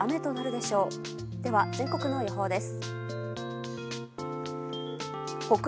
では全国の予報です。